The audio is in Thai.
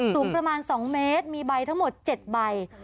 สูงประมาณ๒เมตรมีใบทั้งหมด๗ใบ